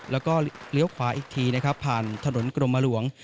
แล้วก็เลี้ยวขวาอีกทีนะครับผ่านถนนกรมหลวง